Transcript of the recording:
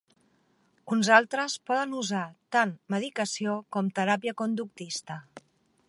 Uns altres poden usar tant medicació com teràpia conductista.